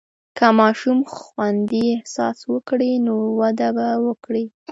که ماشوم خوندي احساس وکړي، نو وده به وکړي.